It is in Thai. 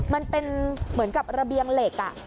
มันเป็นเหมือนกับระเบียงเหล็ก